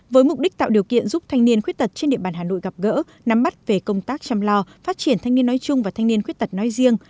với mục đích tạo điều kiện giúp thanh niên khuyết tật trên địa bàn hà nội gặp gỡ nắm mắt về công tác chăm lo phát triển thanh niên nói chung và thanh niên khuyết tật nói riêng